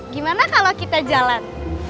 gimana kalau kita jalan